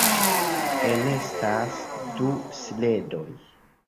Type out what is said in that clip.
Enestas du sledoj.